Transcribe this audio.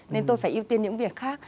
nên tôi phải ưu tiên những việc khác